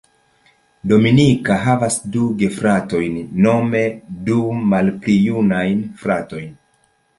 Dominika havas du gefratojn, nome du malpli junajn fratojn.